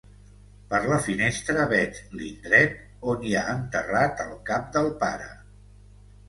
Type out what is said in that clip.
Per la finestra veig l'indret on hi ha enterrat el cap del pare.